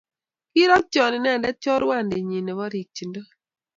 Kiratchon inendet chorwandinnyi nepo rikchindo..